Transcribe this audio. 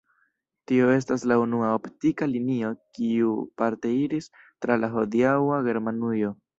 Tio estas la unua optika linio kiu parte iris tra la hodiaŭa Germanujo.